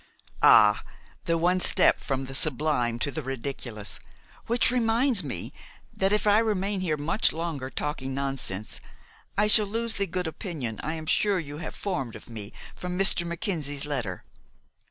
"Ah, the one step from the sublime to the ridiculous, which reminds me that if I remain here much longer talking nonsense I shall lose the good opinion I am sure you have formed of me from Mr. Mackenzie's letter.